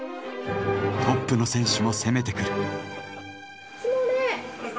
トップの選手も攻めてくる。